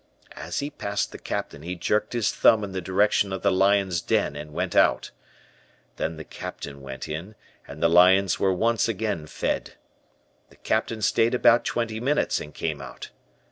As he passed the Captain he jerked his thumb in the direction of the lion's den and went out. Then the Captain went in, and the lions were once again fed. The Captain stayed about twenty minutes and came out.